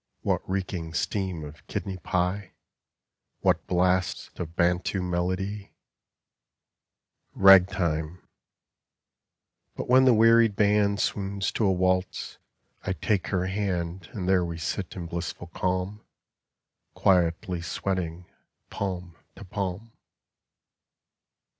What reeking steam of kidney pit What blasts of Bantu melody ? Ragtime ... but when the wearied band Swoons to a waltz, I take her hand And there we sit in blissful calm, Quietly sweating palm to palm.